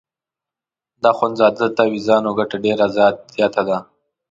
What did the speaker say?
د اخندزاده د تاویزانو ګټه ډېره زیاته وه.